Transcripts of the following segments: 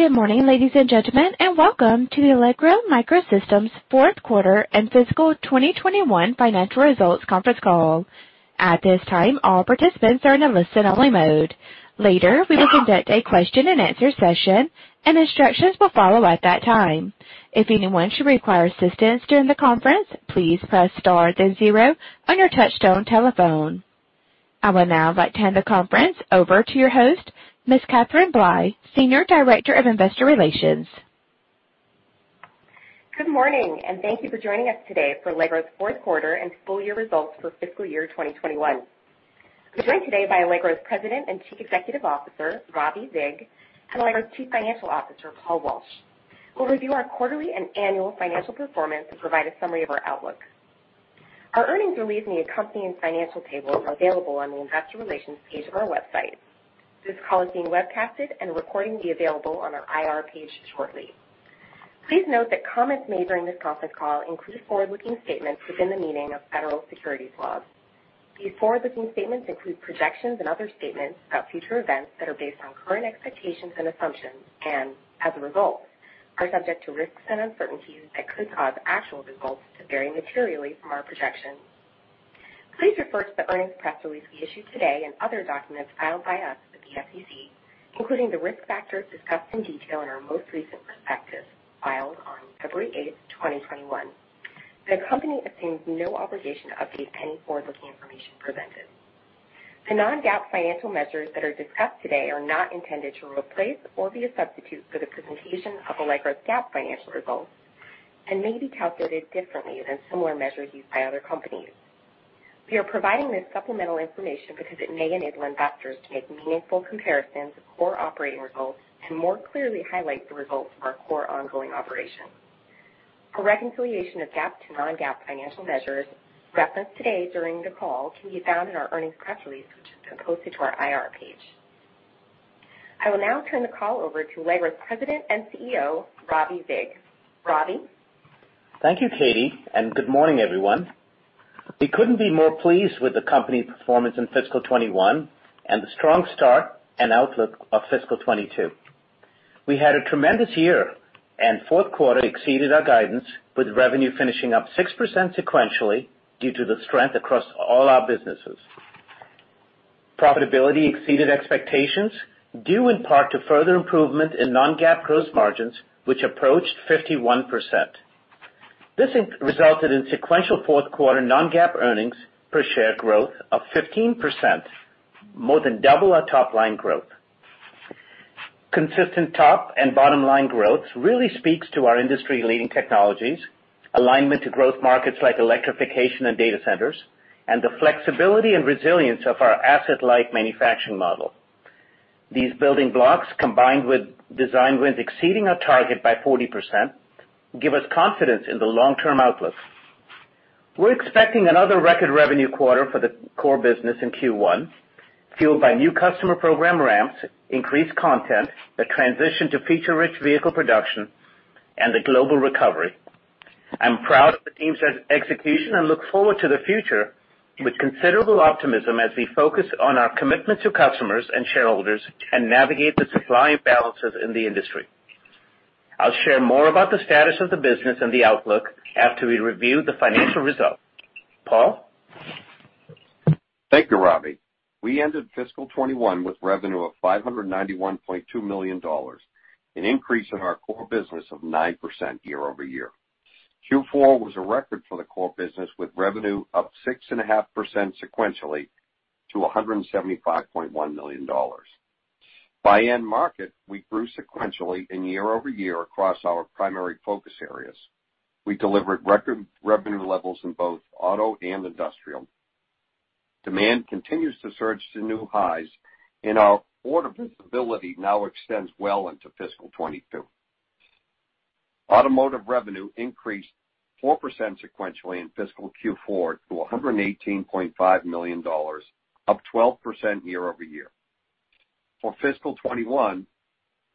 Good morning, ladies and gentlemen, welcome to the Allegro MicroSystems fourth quarter and fiscal 2021 financial results conference call. At this time, all participants are in a listen-only mode. Later, we will conduct a question and answer session, instructions will follow at that time. If anyone should require assistance during the conference, please press star then zero on your touch-tone telephone. I would now like to hand the conference over to your host, Ms. Katherine Blye, Senior Director of Investor Relations. Good morning, thank you for joining us today for Allegro's fourth quarter and full year results for fiscal year 2021. We're joined today by Allegro's President and Chief Executive Officer, Ravi Vig, and Allegro's Chief Financial Officer, Paul Walsh, who will review our quarterly and annual financial performance and provide a summary of our outlook. Our earnings release and the accompanying financial table are available on the investor relations page of our website. This call is being webcasted, and a recording will be available on our IR page shortly. Please note that comments made during this conference call include forward-looking statements within the meaning of federal securities laws. These forward-looking statements include projections and other statements about future events that are based on current expectations and assumptions, and as a result, are subject to risks and uncertainties that could cause actual results to vary materially from our projections. Please refer to the earnings press release we issued today and other documents filed by us with the SEC, including the risk factors discussed in detail in our most recent prospectus filed on February 8th, 2021. The company assumes no obligation to update any forward-looking information presented. The non-GAAP financial measures that are discussed today are not intended to replace or be a substitute for the presentation of Allegro's GAAP financial results and may be calculated differently than similar measures used by other companies. We are providing this supplemental information because it may enable investors to make meaningful comparisons of core operating results to more clearly highlight the results of our core ongoing operations. A reconciliation of GAAP to non-GAAP financial measures referenced today during the call can be found in our earnings press release, which has been posted to our IR page. I will now turn the call over to Allegro's President and Chief Executive Officer, Ravi Vig. Ravi? Thank you, Katie, and good morning, everyone. We couldn't be more pleased with the company's performance in fiscal 2021 and the strong start and outlook of fiscal 2022. We had a tremendous year. Fourth quarter exceeded our guidance, with revenue finishing up 6% sequentially due to the strength across all our businesses. Profitability exceeded expectations, due in part to further improvement in non-GAAP gross margins, which approached 51%. This resulted in sequential fourth quarter non-GAAP earnings per share growth of 15%, more than double our top-line growth. Consistent top and bottom line growths really speaks to our industry-leading technologies, alignment to growth markets like electrification and data centers, and the flexibility and resilience of our asset-light manufacturing model. These building blocks, combined with design wins exceeding our target by 40%, give us confidence in the long-term outlook. We're expecting another record revenue quarter for the core business in Q1, fueled by new customer program ramps, increased content, the transition to feature-rich vehicle production, and the global recovery. I'm proud of the team's execution and look forward to the future with considerable optimism as we focus on our commitment to customers and shareholders and navigate the supply imbalances in the industry. I'll share more about the status of the business and the outlook after we review the financial results. Paul? Thank you, Ravi. We ended fiscal 2021 with revenue of $591.2 million, an increase in our core business of 9% year-over-year. Q4 was a record for the core business, with revenue up 6.5% sequentially to $175.1 million. By end market, we grew sequentially and year-over-year across our primary focus areas. We delivered record revenue levels in both auto and industrial. Demand continues to surge to new highs, and our order visibility now extends well into fiscal 2022. Automotive revenue increased 4% sequentially in fiscal Q4 to $118.5 million, up 12% year-over-year. For fiscal 2021,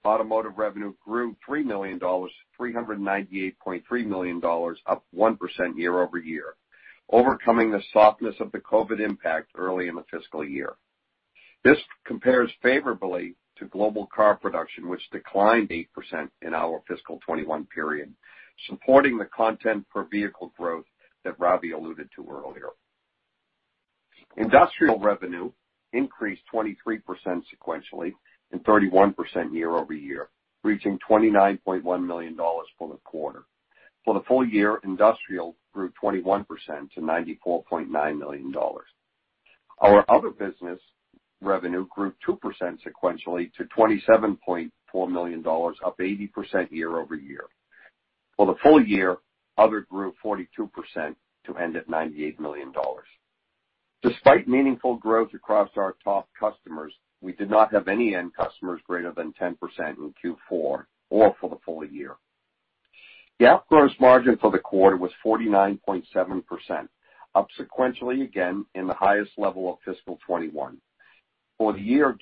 automotive revenue grew $3 million to $398.3 million, up 1% year-over-year, overcoming the softness of the COVID impact early in the fiscal year. This compares favorably to global car production, which declined 8% in our fiscal 2021 period, supporting the content per vehicle growth that Ravi alluded to earlier. Industrial revenue increased 23% sequentially and 31% year-over-year, reaching $29.1 million for the quarter. For the full year, industrial grew 21% to $94.9 million. Our other business revenue grew 2% sequentially to $27.4 million, up 80% year-over-year. For the full year, other grew 42% to end at $98 million. Despite meaningful growth across our top customers, we did not have any end customers greater than 10% in Q4 or for the full year. GAAP gross margin for the quarter was 49.7%, up sequentially again in the highest level of fiscal 2021. For the year,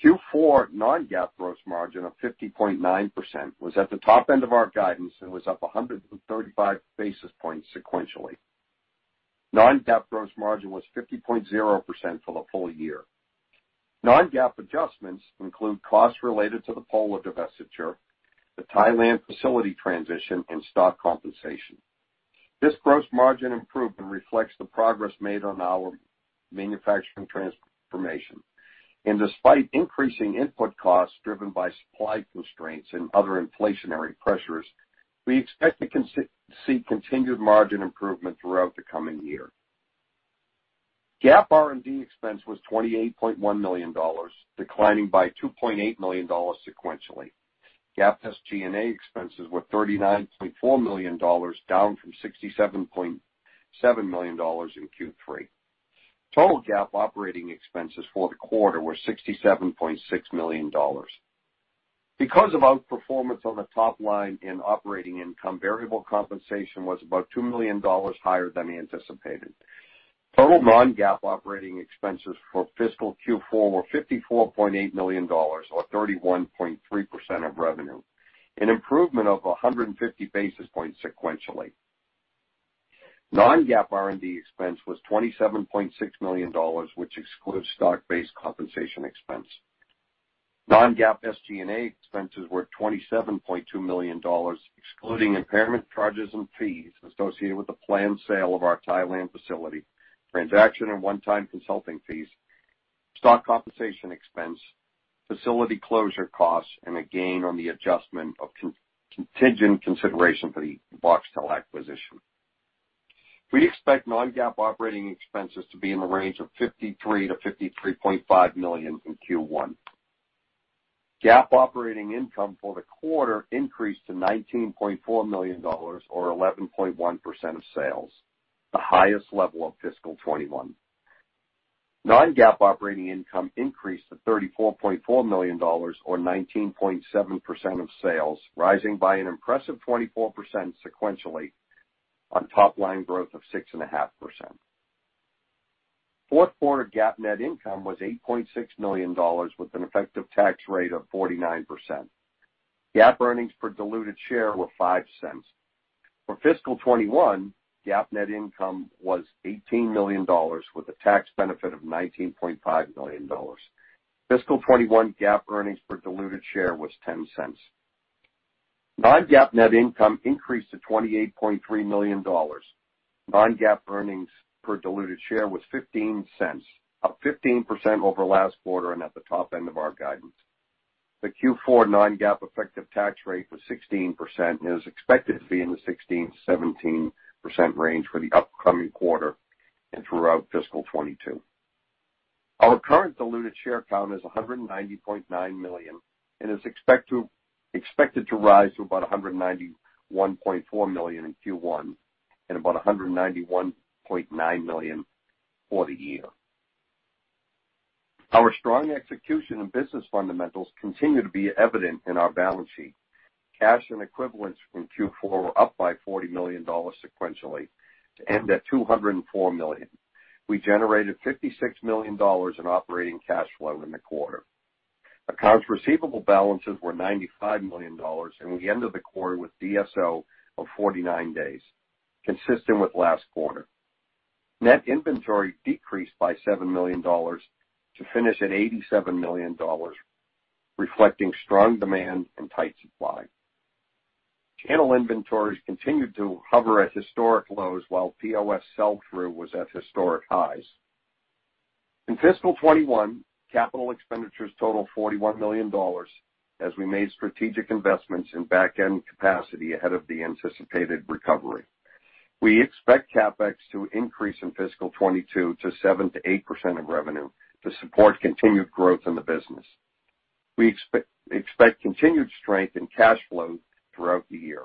GAAP gross margin was 47.2%. Q4 non-GAAP gross margin of 50.9% was at the top end of our guidance and was up 135 basis points sequentially. Non-GAAP gross margin was 50.0% for the full year. Non-GAAP adjustments include costs related to the Polar divestiture, the Thailand facility transition, and stock compensation. Despite increasing input costs driven by supply constraints and other inflationary pressures, we expect to see continued margin improvement throughout the coming year. GAAP R&D expense was $28.1 million, declining by $2.8 million sequentially. GAAP SG&A expenses were $39.4 million, down from $67.7 million in Q3. Total GAAP operating expenses for the quarter were $67.6 million. Because of outperformance on the top line in operating income, variable compensation was about $2 million higher than anticipated. Total non-GAAP operating expenses for fiscal Q4 were $54.8 million or 31.3% of revenue, an improvement of 150 basis points sequentially. Non-GAAP R&D expense was $27.6 million, which excludes stock-based compensation expense. Non-GAAP SG&A expenses were $27.2 million, excluding impairment charges and fees associated with the planned sale of our Thailand facility, transaction and one-time consulting fees, stock compensation expense, facility closure costs, and a gain on the adjustment of contingent consideration for the Voxtel acquisition. We expect non-GAAP operating expenses to be in the range of $53 million-$53.5 million in Q1. GAAP operating income for the quarter increased to $19.4 million or 11.1% of sales, the highest level of fiscal 2021. Non-GAAP operating income increased to $34.4 million or 19.7% of sales, rising by an impressive 24% sequentially on top line growth of 6.5%. Fourth quarter GAAP net income was $8.6 million with an effective tax rate of 49%. GAAP earnings per diluted share were $0.05. For fiscal 2021, GAAP net income was $18 million with a tax benefit of $19.5 million. Fiscal 2021 GAAP earnings per diluted share was $0.10. Non-GAAP net income increased to $28.3 million. Non-GAAP earnings per diluted share was $0.15, up 15% over last quarter and at the top end of our guidance. The Q4 non-GAAP effective tax rate was 16% and is expected to be in the 16%-17% range for the upcoming quarter and throughout fiscal 2022. Our current diluted share count is 190.9 million and is expected to rise to about 191.4 million in Q1 and about 191.9 million for the year. Our strong execution and business fundamentals continue to be evident in our balance sheet. Cash and equivalents from Q4 were up by $40 million sequentially to end at $204 million. We generated $56 million in operating cash flow in the quarter. Accounts receivable balances were $95 million, and we ended the quarter with DSO of 49 days, consistent with last quarter. Net inventory decreased by $7 million to finish at $87 million, reflecting strong demand and tight supply. Channel inventories continued to hover at historic lows while POS sell-through was at historic highs. In fiscal 2021, capital expenditures totaled $41 million as we made strategic investments in back-end capacity ahead of the anticipated recovery. We expect CapEx to increase in fiscal 2022 to 7%-8% of revenue to support continued growth in the business. We expect continued strength in cash flow throughout the year.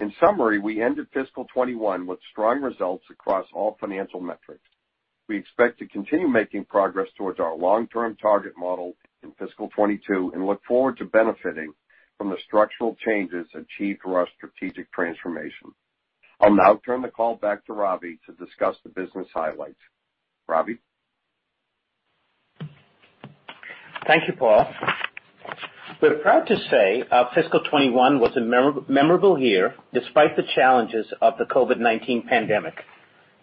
In summary, we ended fiscal 2021 with strong results across all financial metrics. We expect to continue making progress towards our long-term target model in fiscal 2022 and look forward to benefiting from the structural changes achieved through our strategic transformation. I'll now turn the call back to Ravi to discuss the business highlights. Ravi? Thank you, Paul. We're proud to say our fiscal 2021 was a memorable year despite the challenges of the COVID-19 pandemic.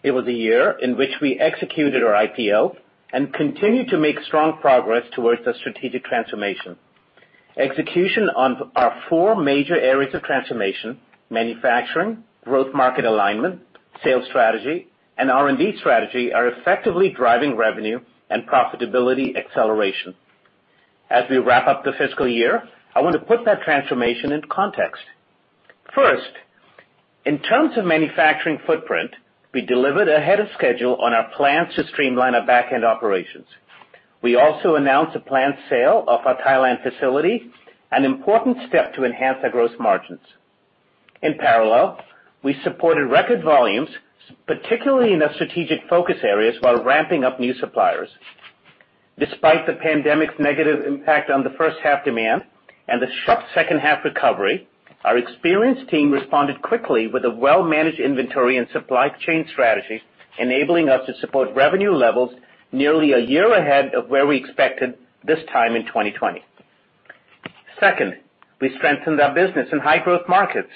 It was a year in which we executed our IPO and continued to make strong progress towards the strategic transformation. Execution on our four major areas of transformation, manufacturing, growth market alignment, sales strategy, and R&D strategy, are effectively driving revenue and profitability acceleration. As we wrap up the fiscal year, I want to put that transformation into context. First, in terms of manufacturing footprint, we delivered ahead of schedule on our plans to streamline our back-end operations. We also announced a planned sale of our Thailand facility, an important step to enhance our gross margins. In parallel, we supported record volumes, particularly in the strategic focus areas, while ramping up new suppliers. Despite the pandemic's negative impact on the first half demand and the sharp second-half recovery, our experienced team responded quickly with a well-managed inventory and supply chain strategy, enabling us to support revenue levels nearly a year ahead of where we expected this time in 2020. Second, we strengthened our business in high growth markets.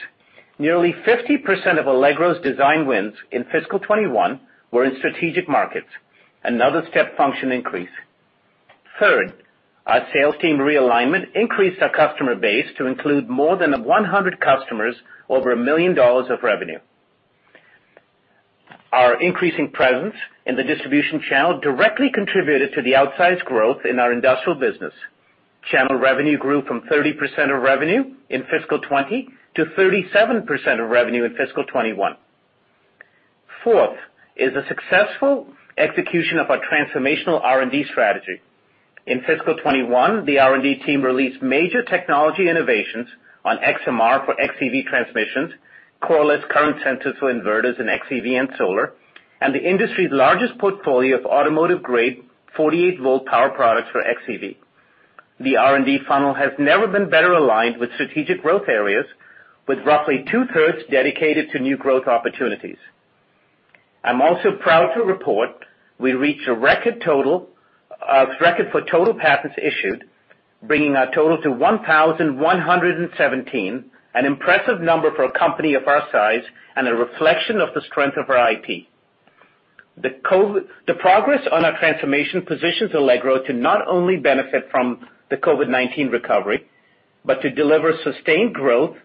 Nearly 50% of Allegro's design wins in fiscal 2021 were in strategic markets, another step function increase. Third, our sales team realignment increased our customer base to include more than 100 customers over $1 million of revenue. Our increasing presence in the distribution channel directly contributed to the outsized growth in our industrial business. Channel revenue grew from 30% of revenue in fiscal 2020 to 37% of revenue in fiscal 2021. Fourth is the successful execution of our transformational R&D strategy. In fiscal 2021, the R&D team released major technology innovations on xMR for xEV transmissions, coreless current sensors for inverters in xEV and solar, and the industry's largest portfolio of automotive-grade 48 V power products for xEV. The R&D funnel has never been better aligned with strategic growth areas, with roughly two-thirds dedicated to new growth opportunities. I'm also proud to report we reached a record for total patents issued, bringing our total to 1,117, an impressive number for a company of our size and a reflection of the strength of our IP. The progress on our transformation positions Allegro to not only benefit from the COVID-19 recovery, but to deliver sustained growth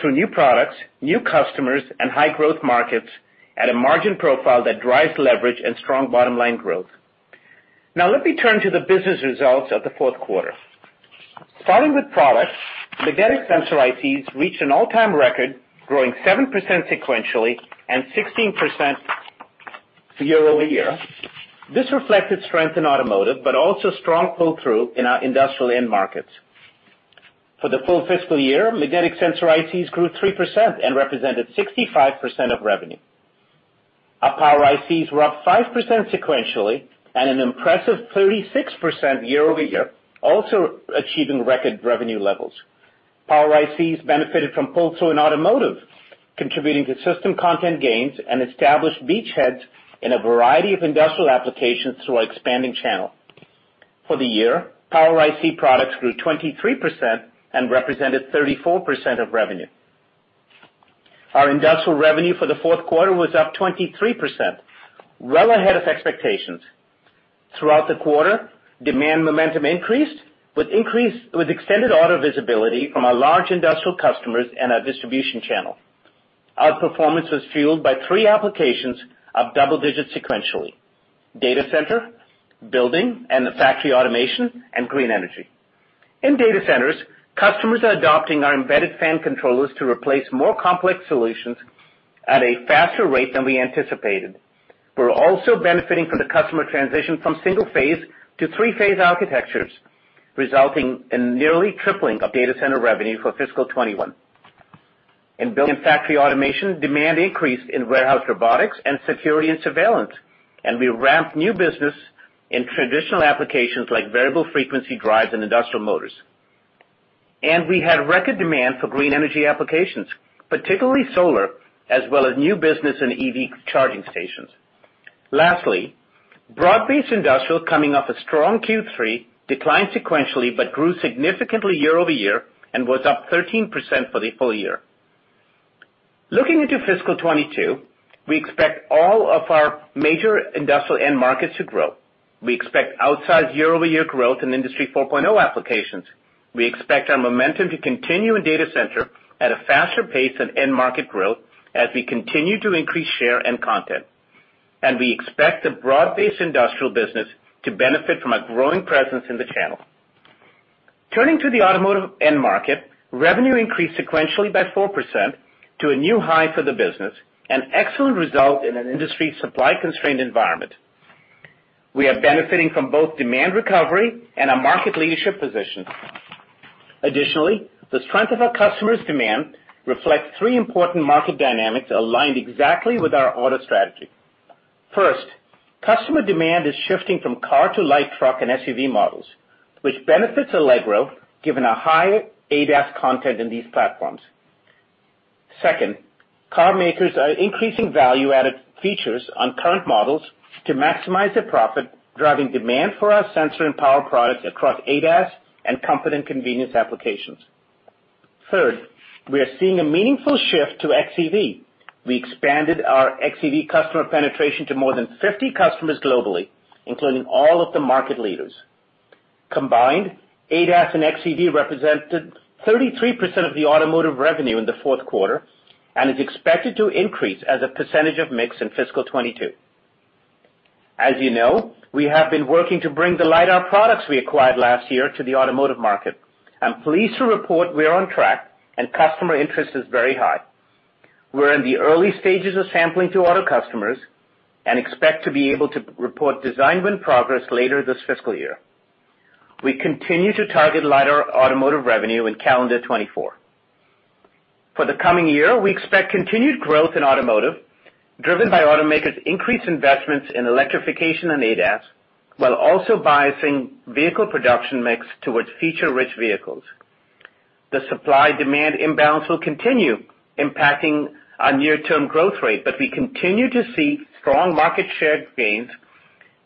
through new products, new customers, and high growth markets at a margin profile that drives leverage and strong bottom-line growth. Now let me turn to the business results of the fourth quarter. Starting with products, magnetic sensor ICs reached an all-time record, growing 7% sequentially and 16% year-over-year. This reflected strength in automotive, but also strong pull-through in our industrial end markets. For the full fiscal year, magnetic sensor ICs grew 3% and represented 65% of revenue. Our Power ICs were up 5% sequentially and an impressive 36% year-over-year, also achieving record revenue levels. Power ICs benefited from pull-through in automotive, contributing to system content gains and established beachheads in a variety of industrial applications through our expanding channel. For the year, Power IC products grew 23% and represented 34% of revenue. Our industrial revenue for the fourth quarter was up 23%, well ahead of expectations. Throughout the quarter, demand momentum increased with extended order visibility from our large industrial customers and our distribution channel. Our performance was fueled by three applications of double digits sequentially: data center, building, and factory automation, and green energy. In data centers, customers are adopting our embedded fan controllers to replace more complex solutions at a faster rate than we anticipated. We're also benefiting from the customer transition from single-phase to three-phase architectures, resulting in nearly tripling of data center revenue for fiscal 2021. In building factory automation, demand increased in warehouse robotics and security and surveillance, we ramped new business in traditional applications like variable frequency drives and industrial motors. We had record demand for green energy applications, particularly solar, as well as new business in EV charging stations. Lastly, broad-based industrial, coming off a strong Q3, declined sequentially but grew significantly year-over-year and was up 13% for the full year. Looking into fiscal 2022, we expect all of our major industrial end markets to grow. We expect outsized year-over-year growth in Industry 4.0 applications. We expect our momentum to continue in data center at a faster pace than end market growth as we continue to increase share and content. We expect the broad-based industrial business to benefit from a growing presence in the channel. Turning to the automotive end market, revenue increased sequentially by 4% to a new high for the business, an excellent result in an industry supply-constrained environment. We are benefiting from both demand recovery and a market leadership position. Additionally, the strength of our customers' demand reflects three important market dynamics aligned exactly with our auto strategy. First, customer demand is shifting from car to light truck and SUV models, which benefits Allegro, given a high ADAS content in these platforms. Second, car makers are increasing value-added features on current models to maximize their profit, driving demand for our sensor and power products across ADAS and comfort and convenience applications. Third, we are seeing a meaningful shift to xEV. We expanded our xEV customer penetration to more than 50 customers globally, including all of the market leaders. Combined, ADAS and xEV represented 33% of the automotive revenue in the fourth quarter and is expected to increase as a percentage of mix in fiscal 2022. As you know, we have been working to bring the lidar products we acquired last year to the automotive market. I'm pleased to report we are on track, and customer interest is very high. We're in the early stages of sampling to auto customers and expect to be able to report design win progress later this fiscal year. We continue to target lidar automotive revenue in calendar 2024. For the coming year, we expect continued growth in automotive, driven by automakers' increased investments in electrification and ADAS, while also biasing vehicle production mix towards feature-rich vehicles. The supply-demand imbalance will continue impacting our near-term growth rate, but we continue to see strong market share gains.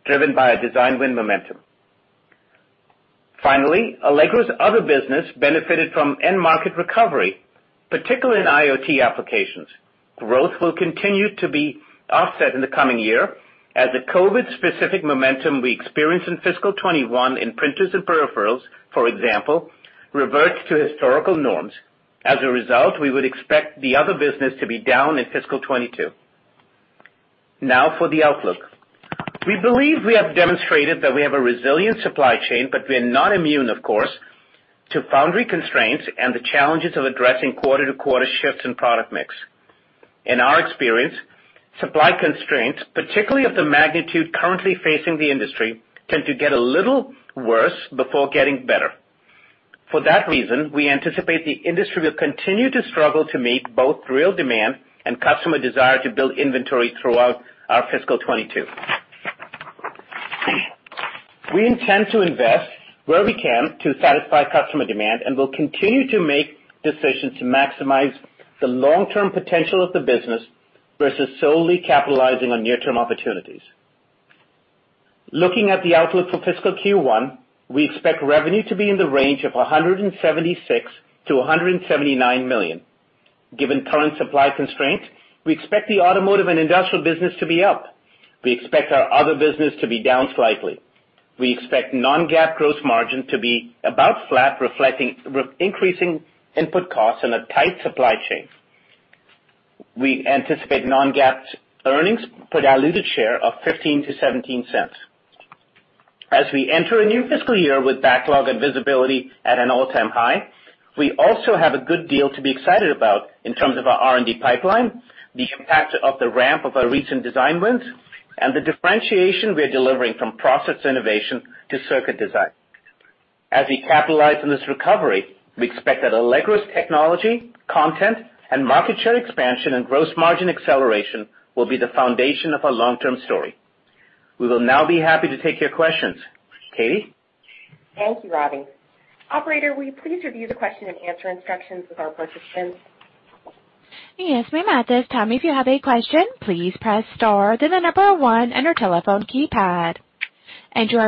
Driven by a design win momentum. Finally, Allegro's other business benefited from end market recovery, particularly in IoT applications. Growth will continue to be offset in the coming year as the COVID-specific momentum we experienced in fiscal 2021 in printers and peripherals, for example, reverts to historical norms. As a result, we would expect the other business to be down in fiscal 2022. Now for the outlook. We believe we have demonstrated that we have a resilient supply chain, but we are not immune, of course, to foundry constraints and the challenges of addressing quarter-to-quarter shifts in product mix. In our experience, supply constraints, particularly of the magnitude currently facing the industry, tend to get a little worse before getting better. For that reason, we anticipate the industry will continue to struggle to meet both real demand and customer desire to build inventory throughout our fiscal 2022. We intend to invest where we can to satisfy customer demand and will continue to make decisions to maximize the long-term potential of the business versus solely capitalizing on near-term opportunities. Looking at the outlook for fiscal Q1, we expect revenue to be in the range of $176 million-$179 million. Given current supply constraints, we expect the automotive and industrial business to be up. We expect our other business to be down slightly. We expect non-GAAP gross margin to be about flat, reflecting increasing input costs and a tight supply chain. We anticipate non-GAAP earnings per diluted share of $0.15-$0.17. We enter a new fiscal year with backlog and visibility at an all-time high, we also have a good deal to be excited about in terms of our R&D pipeline, the impact of the ramp of our recent design wins, and the differentiation we are delivering from process innovation to circuit design. We capitalize on this recovery, we expect that Allegro's technology, content, and market share expansion and gross margin acceleration will be the foundation of our long-term story. We will now be happy to take your questions. Katie? Thank you, Ravi. Operator, will you please review the question and answer instructions with our participants? Yes, ma'am. Our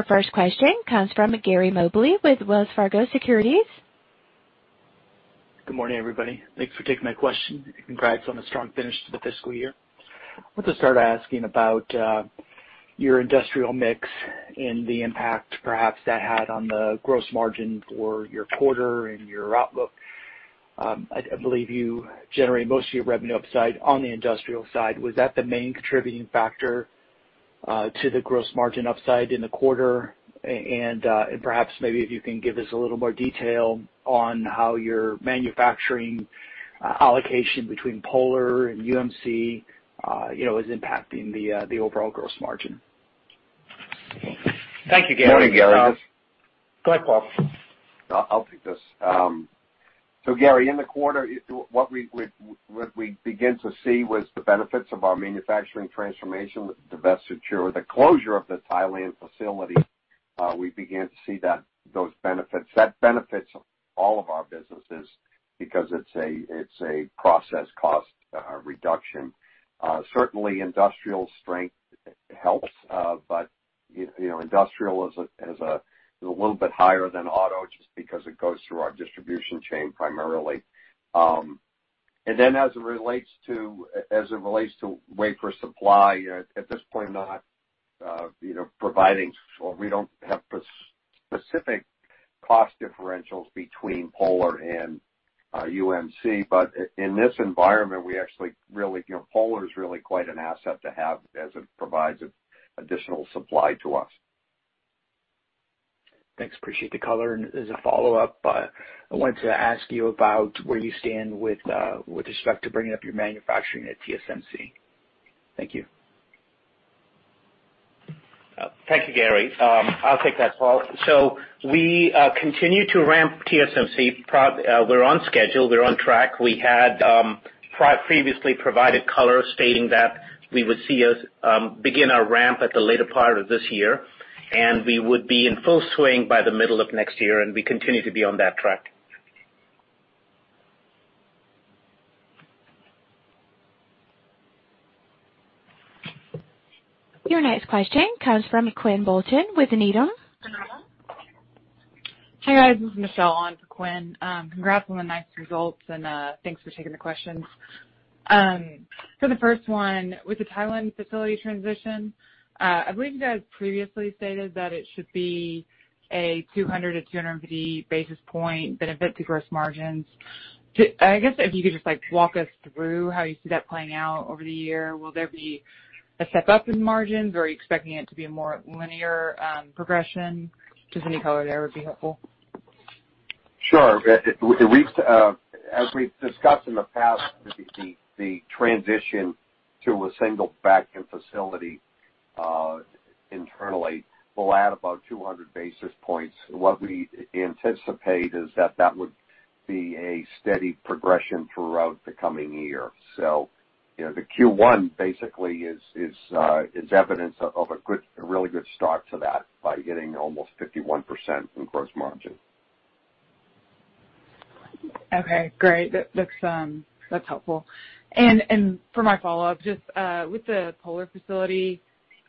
first question comes from Gary Mobley with Wells Fargo Securities. Good morning, everybody. Thanks for taking my question, and congrats on a strong finish to the fiscal year. I want to start asking about your industrial mix and the impact perhaps that had on the gross margin for your quarter and your outlook. I believe you generate most of your revenue upside on the industrial side. Was that the main contributing factor to the gross margin upside in the quarter? Perhaps maybe if you can give us a little more detail on how your manufacturing allocation between Polar and UMC is impacting the overall gross margin. Thank you, Gary. Morning, Gary. Go ahead, Paul. I'll take this. Gary, in the quarter, what we began to see was the benefits of our manufacturing transformation with the divestiture or the closure of the Thailand facility. We began to see those benefits. That benefits all of our businesses because it's a process cost reduction. Certainly, industrial strength helps, but industrial is a little bit higher than auto just because it goes through our distribution chain primarily. As it relates to wafer supply, at this point, not providing, or we don't have specific cost differentials between Polar and UMC. In this environment, Polar is really quite an asset to have as it provides additional supply to us. Thanks. Appreciate the color. As a follow-up, I wanted to ask you about where you stand with respect to bringing up your manufacturing at TSMC. Thank you. Thank you, Gary. I'll take that, Paul. We continue to ramp TSMC. We're on schedule. We're on track. We had previously provided color stating that we would see us begin our ramp at the later part of this year, and we would be in full swing by the middle of next year, and we continue to be on that track. Your next question comes from Quinn Bolton with Needham. Hi, guys. This is Michelle on for Quinn. Congrats on the nice results. Thanks for taking the questions. For the first one, with the Thailand facility transition, I believe you guys previously stated that it should be a 200 to 250 basis point benefit to gross margins. I guess if you could just walk us through how you see that playing out over the year. Will there be a step-up in margins? Are you expecting it to be a more linear progression? Just any color there would be helpful. Sure. As we've discussed in the past, the transition to a single back-end facility internally will add about 200 basis points. What we anticipate is that that would be a steady progression throughout the coming year. The Q1 basically is evidence of a really good start to that by getting almost 51% in gross margin. Okay, great. That's helpful. For my follow-up, just with the Polar facility,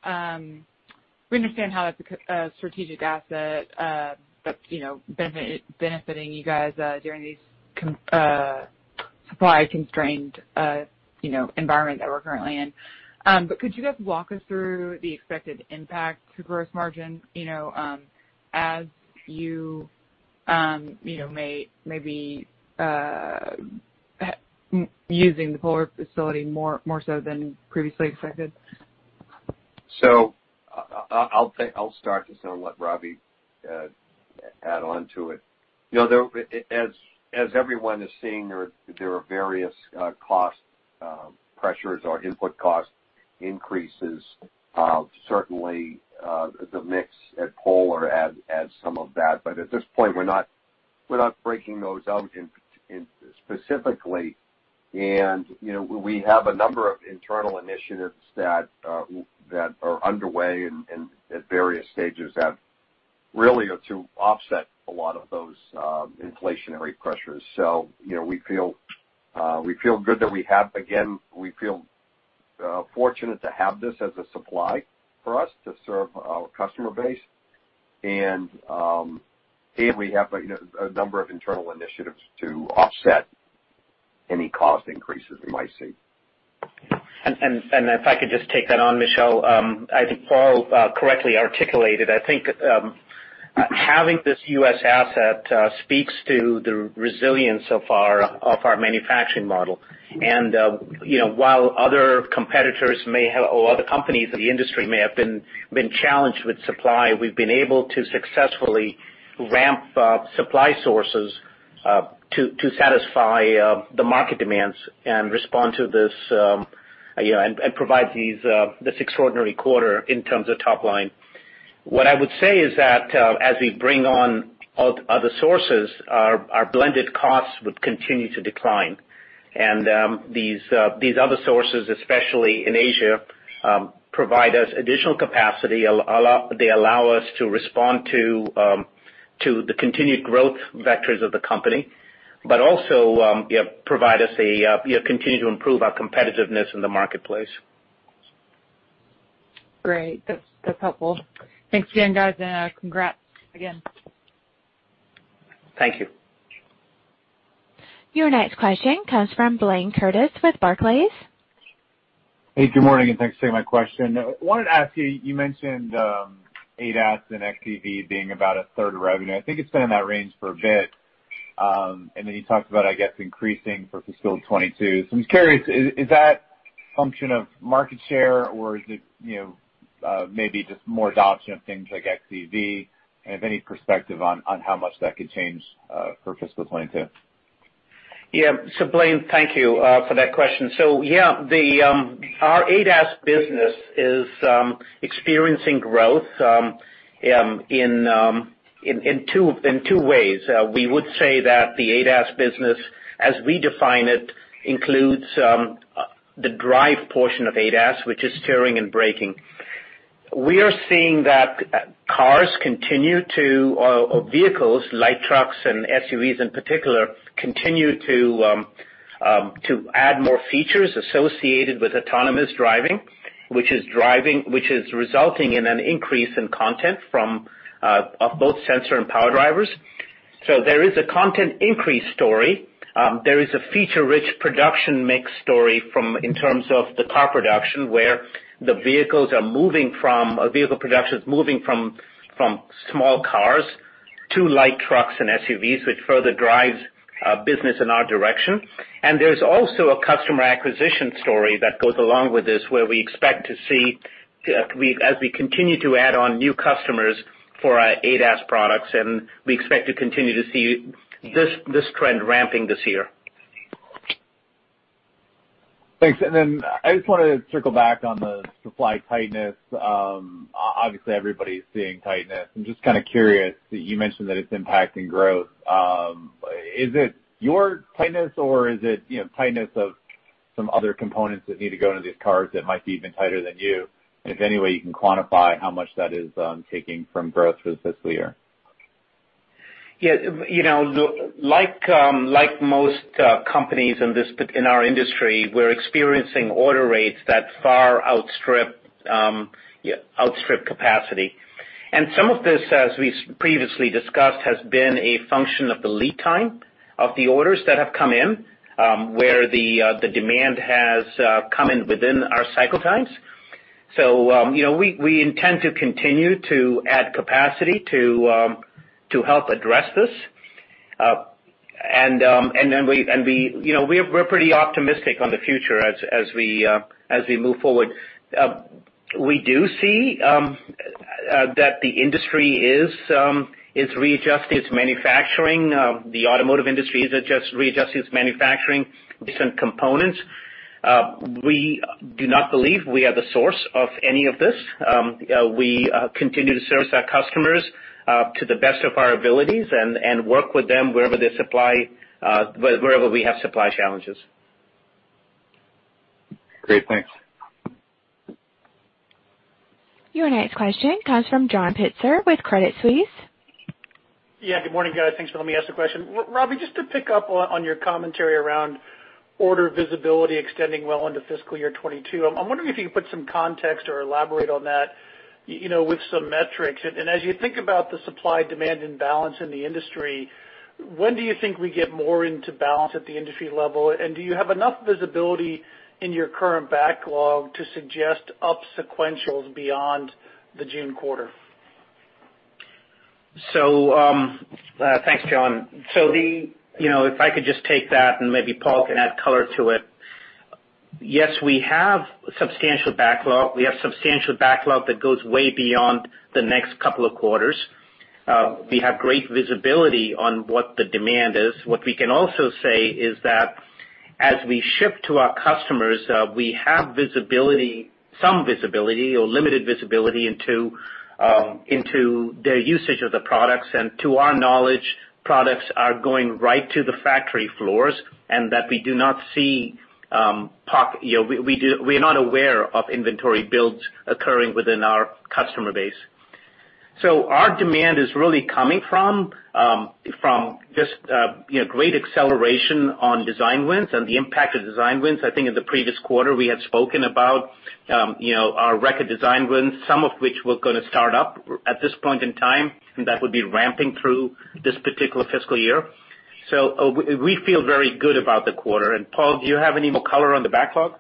we understand how that's a strategic asset that's benefiting you guys during these supply-constrained environment that we're currently in. Could you guys walk us through the expected impact to gross margin as you maybe using the Polar facility more so than previously expected? I'll start this and let Ravi add on to it. As everyone is seeing, there are various cost pressures or input cost increases. Certainly, the mix at Polar adds some of that. At this point, we're not breaking those out specifically. We have a number of internal initiatives that are underway and at various stages that really are to offset a lot of those inflationary pressures. We feel fortunate to have this as a supply for us to serve our customer base. We have a number of internal initiatives to offset any cost increases we might see. If I could just take that on, Michelle. I think Paul correctly articulated. I think having this U.S. asset speaks to the resilience of our manufacturing model. While other companies in the industry may have been challenged with supply, we've been able to successfully ramp supply sources to satisfy the market demands and provide this extraordinary quarter in terms of top line. What I would say is that as we bring on other sources, our blended costs would continue to decline. These other sources, especially in Asia, provide us additional capacity. They allow us to respond to the continued growth vectors of the company, but also continue to improve our competitiveness in the marketplace. Great. That's helpful. Thanks again, guys, and congrats again. Thank you. Your next question comes from Blayne Curtis with Barclays. Good morning, and thanks for taking my question. I wanted to ask you mentioned ADAS and xEV being about a third of revenue. I think it's been in that range for a bit. You talked about, I guess, increasing for fiscal 2022. I'm just curious, is that a function of market share or is it maybe just more adoption of things like xEV? If you have any perspective on how much that could change for fiscal 2022. Yeah. Blayne, thank you for that question. Yeah, our ADAS business is experiencing growth in two ways. We would say that the ADAS business, as we define it, includes the drive portion of ADAS, which is steering and braking. We are seeing that cars or vehicles, light trucks and SUVs in particular, continue to add more features associated with autonomous driving, which is resulting in an increase in content of both sensor and power drivers. There is a content increase story. There is a feature-rich production mix story in terms of the car production, where the vehicle production's moving from small cars to light trucks and SUVs, which further drives business in our direction. There's also a customer acquisition story that goes along with this, where we expect to see as we continue to add on new customers for our ADAS products, and we expect to continue to see this trend ramping this year. Thanks. I just wanted to circle back on the supply tightness. Obviously, everybody's seeing tightness. I'm just kind of curious, you mentioned that it's impacting growth. Is it your tightness or is it tightness of some other components that need to go into these cars that might be even tighter than you? If, any way, you can quantify how much that is taking from growth for this fiscal year. Yeah. Like most companies in our industry, we're experiencing order rates that far outstrip capacity. Some of this, as we previously discussed, has been a function of the lead time of the orders that have come in where the demand has come in within our cycle times. We intend to continue to add capacity to help address this. We're pretty optimistic on the future as we move forward. We do see that the industry is readjusting its manufacturing. The automotive industry is readjusting its manufacturing recent components. We do not believe we are the source of any of this. We continue to service our customers to the best of our abilities and work with them wherever we have supply challenges. Great. Thanks. Your next question comes from John Pitzer with Credit Suisse. Good morning, guys. Thanks for letting me ask the question. Ravi, just to pick up on your commentary around order visibility extending well into fiscal year 2022, I'm wondering if you can put some context or elaborate on that, with some metrics. As you think about the supply-demand imbalance in the industry, when do you think we get more into balance at the industry level? Do you have enough visibility in your current backlog to suggest up sequentials beyond the June quarter? Thanks, John. If I could just take that, and maybe Paul can add color to it. Yes, we have substantial backlog. We have substantial backlog that goes way beyond the next couple of quarters. We have great visibility on what the demand is. What we can also say is that as we ship to our customers, we have some visibility or limited visibility into their usage of the products, and to our knowledge, products are going right to the factory floors and that we're not aware of inventory builds occurring within our customer base. Our demand is really coming from just great acceleration on design wins and the impact of design wins. I think in the previous quarter, we had spoken about our record design wins, some of which we're going to start up at this point in time, and that would be ramping through this particular fiscal year. We feel very good about the quarter. Paul, do you have any more color on the backlog?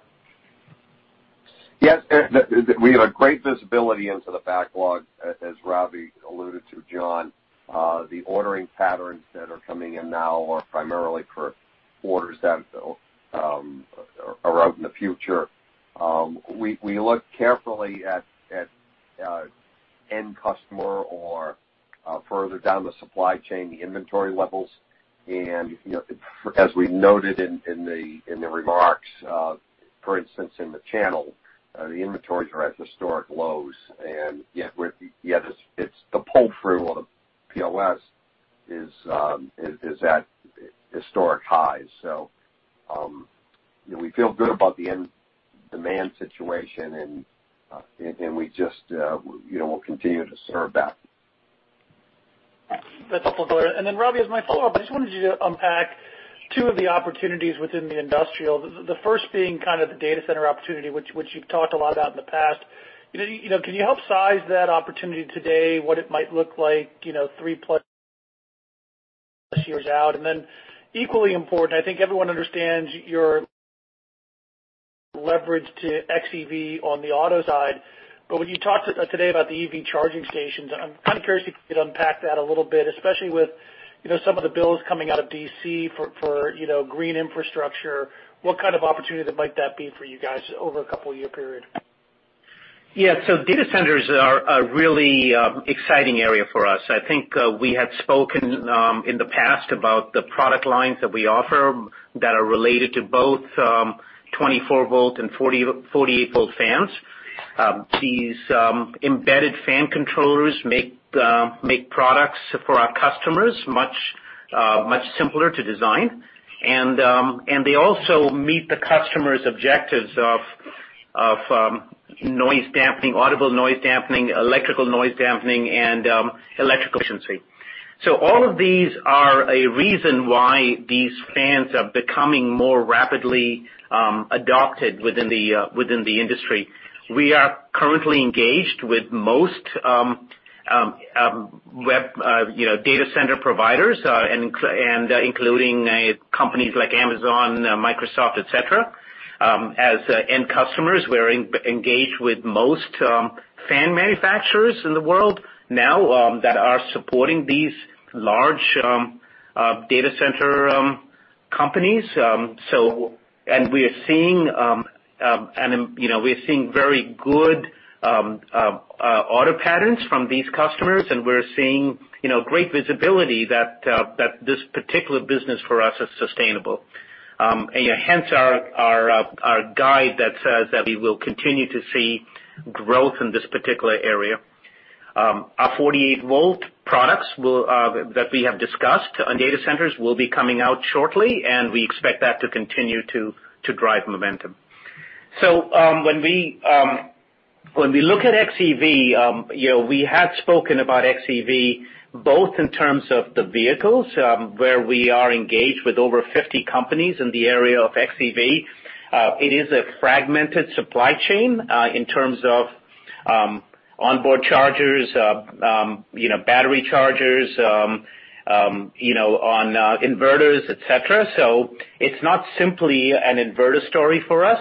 Yes. We have great visibility into the backlog, as Ravi alluded to, John. The ordering patterns that are coming in now are primarily for orders that are out in the future. We look carefully at end customer or further down the supply chain, the inventory levels. As we noted in the remarks, for instance, in the channel, the inventories are at historic lows, yet the pull-through on the POS is at historic highs. We feel good about the end demand situation, and we'll continue to serve that. That's helpful. Ravi, as my follow-up, I just wanted you to unpack two of the opportunities within the industrial. The first being kind of the data center opportunity, which you've talked a lot about in the past. Can you help size that opportunity today, what it might look like, 3+years out? Equally important, I think everyone understands your leverage to xEV on the auto side, but when you talked today about the EV charging stations, and I'm kind of curious if you could unpack that a little bit, especially with some of the bills coming out of D.C. for green infrastructure. What kind of opportunity might that be for you guys over a couple of year period? Yeah. Data centers are a really exciting area for us. I think we had spoken in the past about the product lines that we offer that are related to both 24 V and 48 V fans. These embedded fan controllers make products for our customers much simpler to design. They also meet the customer's objectives of noise dampening, audible noise dampening, electrical noise dampening, and electrical efficiency. All of these are a reason why these fans are becoming more rapidly adopted within the industry. We are currently engaged with most data center providers, including companies like Amazon, Microsoft, et cetera, as end customers. We're engaged with most fan manufacturers in the world now that are supporting these large data center companies. We're seeing very good order patterns from these customers, and we're seeing great visibility that this particular business for us is sustainable. Hence our guide that says that we will continue to see growth in this particular area. Our 48 V products that we have discussed on data centers will be coming out shortly, and we expect that to continue to drive momentum. When we look at xEV, we had spoken about xEV both in terms of the vehicles, where we are engaged with over 50 companies in the area of xEV. It is a fragmented supply chain, in terms of onboard chargers, battery chargers on inverters, et cetera. It's not simply an inverter story for us.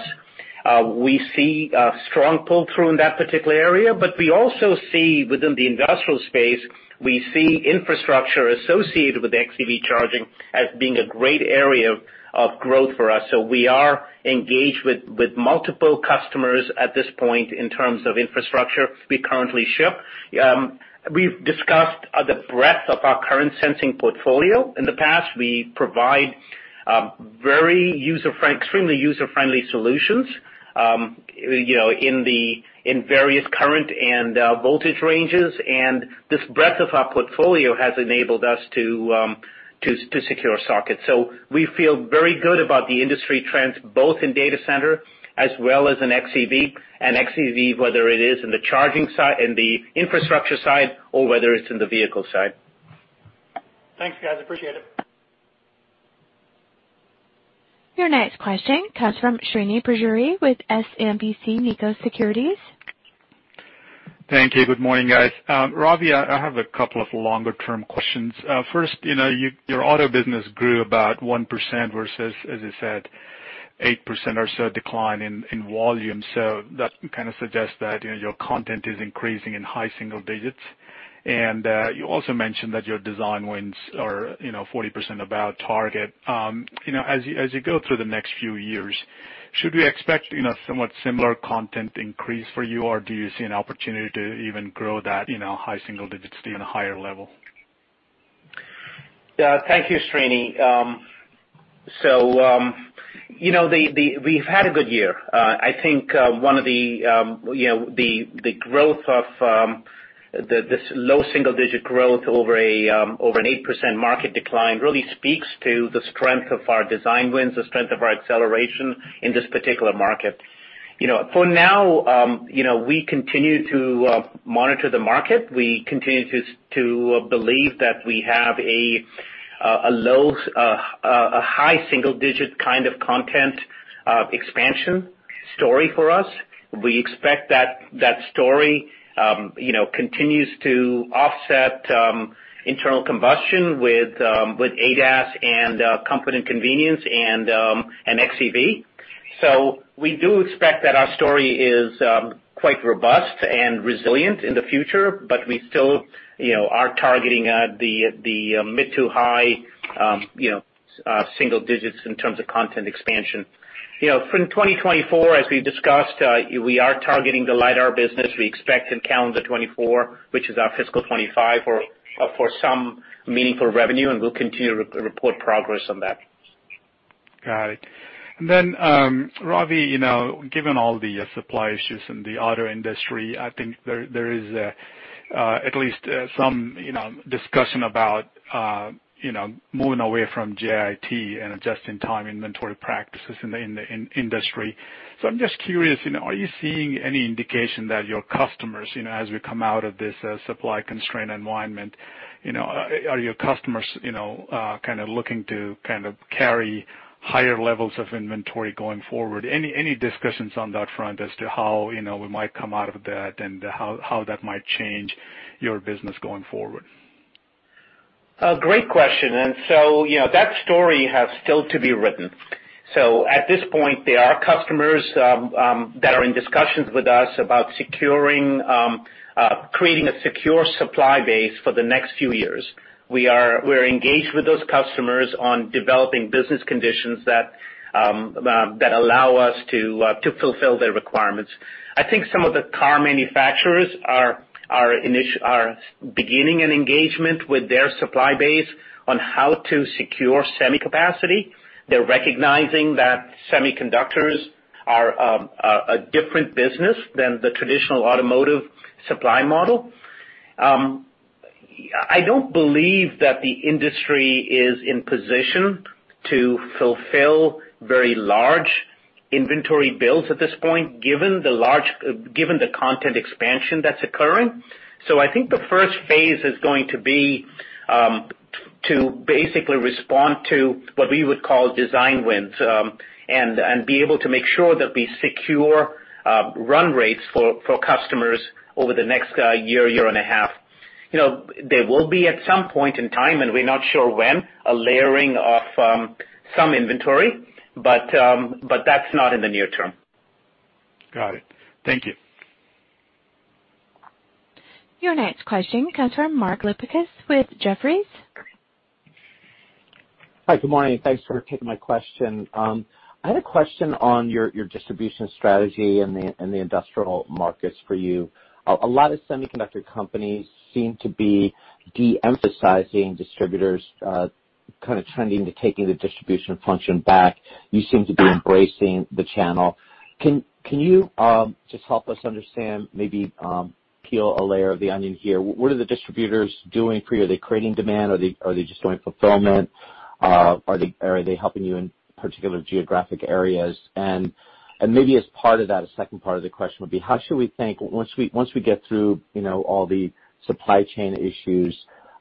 We see a strong pull-through in that particular area, but we also see within the industrial space, we see infrastructure associated with xEV charging as being a great area of growth for us. We are engaged with multiple customers at this point in terms of infrastructure we currently ship. We've discussed the breadth of our current sensing portfolio. In the past, we provide extremely user-friendly solutions in various current and voltage ranges, and this breadth of our portfolio has enabled us to secure sockets. We feel very good about the industry trends, both in data center as well as in xEV, and xEV, whether it is in the infrastructure side or whether it's in the vehicle side. Thanks, guys. Appreciate it. Your next question comes from Srini Pajjuri with SMBC Nikko Securities. Thank you. Good morning, guys. Ravi, I have a couple of longer-term questions. First, your auto business grew about 1% versus, as you said, 8% or so decline in volume. That kind of suggests that your content is increasing in high single digits. You also mentioned that your design wins are 40% above target. As you go through the next few years, should we expect somewhat similar content increase for you, or do you see an opportunity to even grow that high single digits to an even higher level? Yeah. Thank you, Srini. We've had a good year. I think one of the growth of this low single-digit growth over an 8% market decline really speaks to the strength of our design wins, the strength of our acceleration in this particular market. For now, we continue to monitor the market. We continue to believe that we have a high single-digit kind of content expansion story for us. We expect that story continues to offset internal combustion with ADAS and comfort and convenience and xEV. We do expect that our story is quite robust and resilient in the future, but we still are targeting the mid to high single digits in terms of content expansion. From 2024, as we discussed, we are targeting the LiDAR business. We expect in calendar 2024, which is our fiscal 2025, for some meaningful revenue, and we'll continue to report progress on that. Got it. Ravi, given all the supply issues in the auto industry, I think there is at least some discussion about moving away from JIT and just-in-time inventory practices in the industry. I'm just curious, are you seeing any indication that your customers, as we come out of this supply constraint environment, are your customers kind of looking to carry higher levels of inventory going forward? Any discussions on that front as to how we might come out of that and how that might change your business going forward? Great question. That story has still to be written. At this point, there are customers that are in discussions with us about creating a secure supply base for the next few years. We're engaged with those customers on developing business conditions that allow us to fulfill their requirements. I think some of the car manufacturers are beginning an engagement with their supply base on how to secure semi capacity. They're recognizing that semiconductors are a different business than the traditional automotive supply model. I don't believe that the industry is in position to fulfill very large inventory builds at this point, given the content expansion that's occurring. I think the first phase is going to be to basically respond to what we would call design wins, and be able to make sure that we secure run rates for customers over the next year and a half. There will be, at some point in time, and we're not sure when, a layering of some inventory, but that's not in the near term. Got it. Thank you. Your next question comes from Mark Lipacis with Jefferies. Hi. Good morning. Thanks for taking my question. I had a question on your distribution strategy and the industrial markets for you. A lot of semiconductor companies seem to be de-emphasizing distributors, kind of trending to taking the distribution function back. You seem to be embracing the channel. Can you just help us understand, maybe peel a layer of the onion here? What are the distributors doing for you? Are they creating demand? Are they just doing fulfillment? Are they helping you in particular geographic areas? Maybe as part of that, a second part of the question would be, once we get through all the supply chain issues,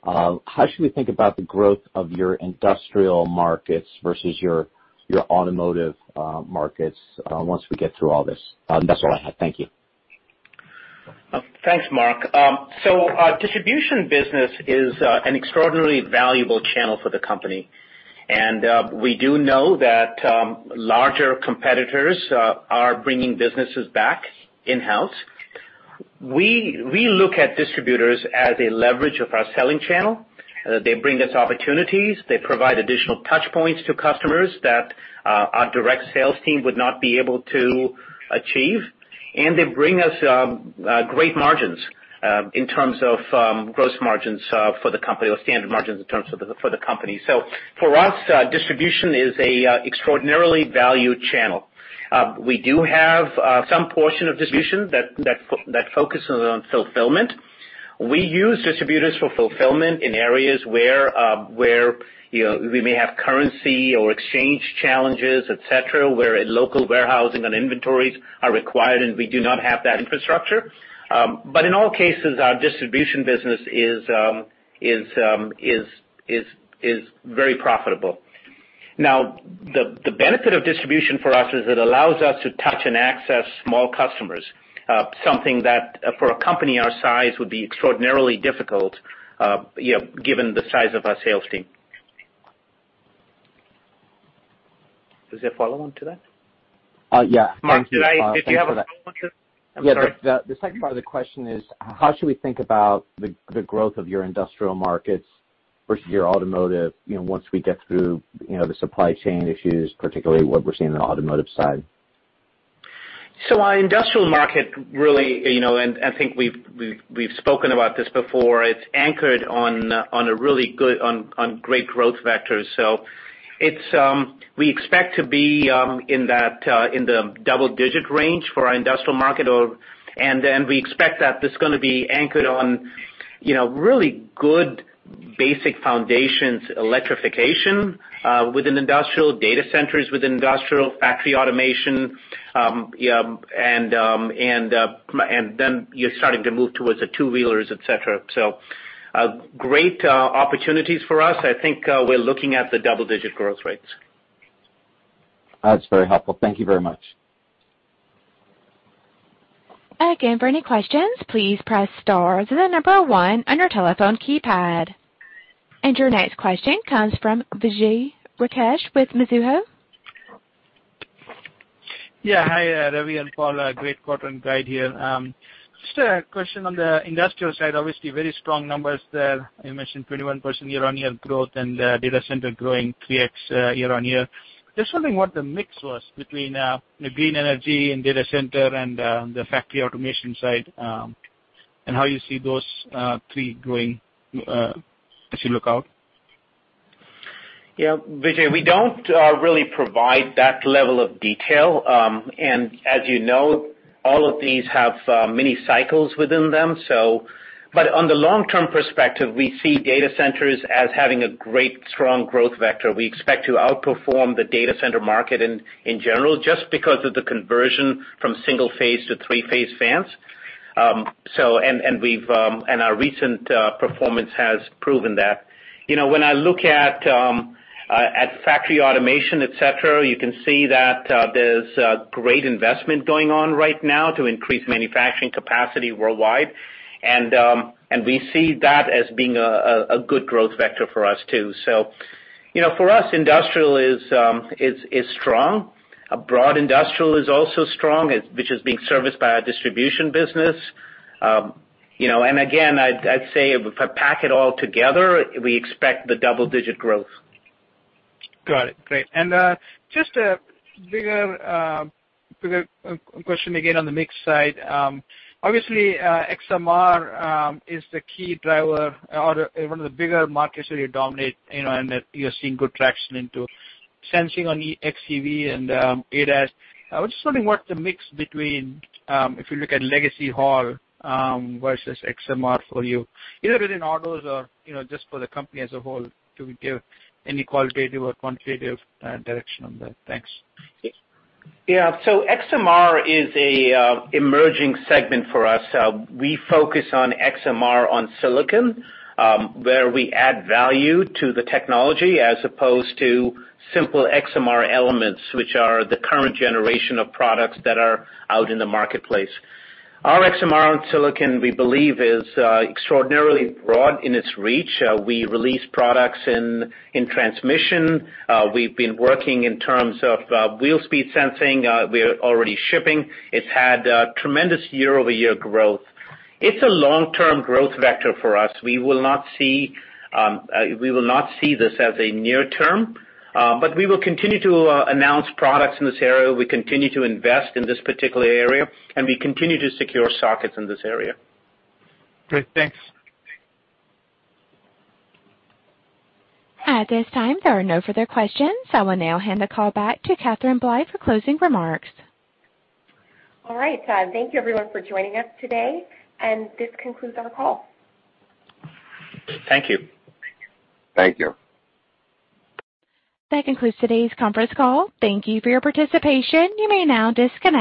how should we think about the growth of your industrial markets versus your automotive markets once we get through all this? That's all I had. Thank you. Thanks, Mark. Distribution business is a extraordinarily valuable channel for the company, and we do know that larger competitors are bringing businesses back in-house. We look at distributors as a leverage of our selling channel. They bring us opportunities. They provide additional touchpoints to customers that our direct sales team would not be able to achieve, and they bring us great margins in terms of gross margins for the company or standard margins in terms for the company. For us, distribution is a extraordinarily valued channel. We do have some portion of distribution that focuses on fulfillment. We use distributors for fulfillment in areas where we may have currency or exchange challenges, et cetera, where local warehousing and inventories are required, and we do not have that infrastructure. In all cases, our distribution business is very profitable. Now, the benefit of distribution for us is it allows us to touch and access small customers, something that for a company our size would be extraordinarily difficult, given the size of our sales team. Was there a follow-on to that? Yeah. Thank you for that. Mark, if you have a follow-on to it. I'm sorry. Yeah. The second part of the question is, how should we think about the growth of your industrial markets versus your automotive, once we get through the supply chain issues, particularly what we're seeing on the automotive side? Our industrial market really, and I think we've spoken about this before, it's anchored on great growth vectors. We expect to be in the double-digit range for our industrial market, and then we expect that it's going to be anchored on really good basic foundations, electrification within industrial, data centers within industrial, factory automation, and then you're starting to move towards the two-wheelers, et cetera. Great opportunities for us. I think we're looking at the double-digit growth rates. That's very helpful. Thank you very much. Your next question comes from Vijay Rakesh with Mizuho. Yeah. Hi, Ravi and Paul. A great quarter and guide here. Just a question on the industrial side, obviously very strong numbers there. You mentioned 21% year-on-year growth and data center growing 3x year-on-year. Just wondering what the mix was between the green energy and data center and the factory automation side, and how you see those three growing as you look out. Yeah. Vijay, we don't really provide that level of detail. As you know, all of these have mini cycles within them. On the long-term perspective, we see data centers as having a great strong growth vector. We expect to outperform the data center market in general, just because of the conversion from single-phase to three-phase fans. Our recent performance has proven that. When I look at factory automation, et cetera, you can see that there's great investment going on right now to increase manufacturing capacity worldwide. We see that as being a good growth vector for us, too. For us, industrial is strong. Broad industrial is also strong, which is being serviced by our distribution business. Again, I'd say if I pack it all together, we expect the double-digit growth. Got it. Great. Just a bigger question again on the mix side. Obviously, xMR is the key driver or one of the bigger markets that you dominate, and that you're seeing good traction into sensing on xEV and ADAS. I was just wondering what the mix between, if you look at legacy Hall versus xMR for you, either within autos or just for the company as a whole, to give any qualitative or quantitative direction on that. Thanks. xMR is an emerging segment for us. We focus on xMR on silicon, where we add value to the technology as opposed to simple xMR elements, which are the current generation of products that are out in the marketplace. Our xMR on silicon, we believe, is extraordinarily broad in its reach. We release products in transmission. We've been working in terms of wheel speed sensing. We're already shipping. It's had tremendous year-over-year growth. It's a long-term growth vector for us. We will not see this as a near term, but we will continue to announce products in this area. We continue to invest in this particular area, and we continue to secure sockets in this area. Great. Thanks. At this time, there are no further questions. I will now hand the call back to Katherine Blye for closing remarks. All right. Thank you everyone for joining us today, and this concludes our call. Thank you. Thank you. That concludes today's conference call. Thank you for your participation. You may now disconnect.